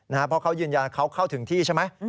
เพราะเขายืนยันเขาเข้าถึงที่ใช่ไหม